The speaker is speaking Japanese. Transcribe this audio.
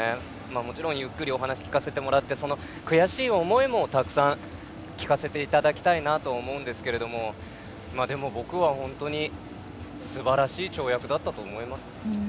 もちろんゆっくりお話を聞かせてもらって悔しい思いも聞かせていただきたいと思うんですけれども僕は本当にすばらしい跳躍だったと思います。